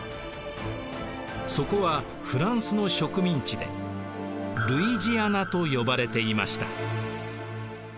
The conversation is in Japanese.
そこはフランスの植民地でルイジアナと呼ばれていました。